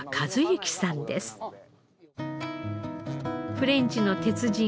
フレンチの鉄人